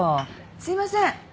すいません。